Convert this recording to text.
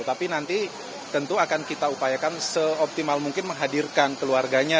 tapi nanti tentu akan kita upayakan seoptimal mungkin menghadirkan keluarganya